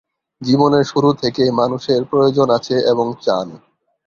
জীবনের শুরু থেকে, মানুষের প্রয়োজন আছে এবং চান।